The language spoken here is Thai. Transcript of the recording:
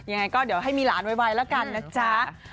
ยังไงก็เดี๋ยวให้มีหลานไวแล้วกันนะจ๊ะ